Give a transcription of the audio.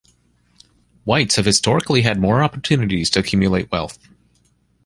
Whites have historically had more opportunities to accumulate wealth.